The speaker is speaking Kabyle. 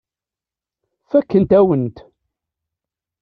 Fakkent-awen-t.